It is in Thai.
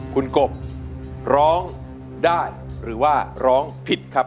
คุณกบร้องได้หรือว่าร้องผิดครับ